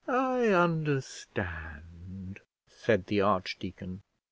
"I understand," said the archdeacon.